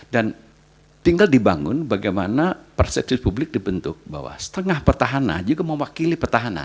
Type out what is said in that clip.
dan tinggal dibangun bagaimana persepsi publik dibentuk bahwa setengah petahana juga mewakili petahana